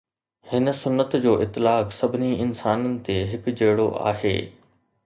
هن سنت جو اطلاق سڀني انسانن تي هڪ جهڙو آهي.